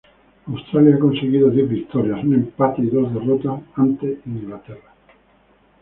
Australia ha conseguido diez victorias, un empate y dos derrotas ante Inglaterra.